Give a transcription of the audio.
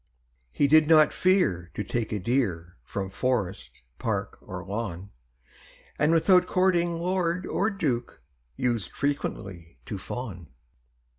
He did not fear to take a deer From forest, park, or lawn; And without courting lord or duke, Used frequently to fawn.